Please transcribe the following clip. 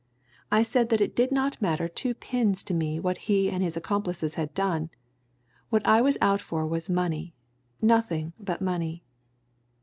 I said that it did not matter two pins to me what he and his accomplices had done what I was out for was money, nothing but money.